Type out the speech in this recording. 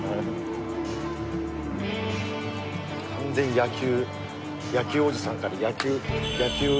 完全に野球。